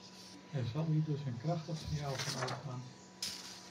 Er zal hier dus een krachtig signaal van uitgaan.